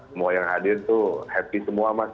semua yang hadir itu happy semua mas